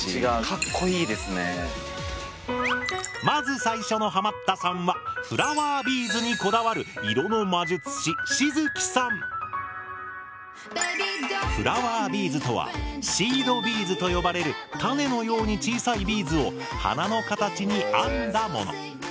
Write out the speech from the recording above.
まず最初のハマったさんはフラワービーズにこだわる色の魔術師フラワービーズとは「シードビーズ」と呼ばれる種のように小さいビーズを花の形に編んだもの。